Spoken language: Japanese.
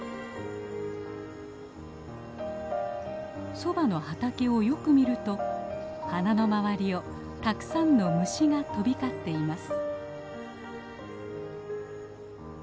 ソバの畑をよく見ると花の周りをたくさんの虫が飛び交っています。